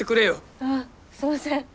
あっすみません。